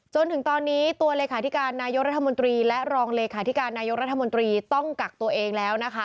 จนถึงตอนนี้ตัวเลขาธิการนายกรัฐมนตรีและรองเลขาธิการนายกรัฐมนตรีต้องกักตัวเองแล้วนะคะ